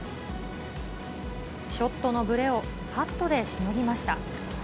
ショットのぶれをパットでしのぎました。